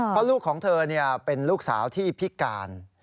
เพราะลูกของเธอเป็นลูกสาวที่พิการ